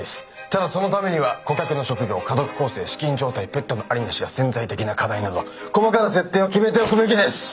ただそのためには顧客の職業家族構成資金状態ペットの有り無しや潜在的な課題など細かな設定を決めておくべきです！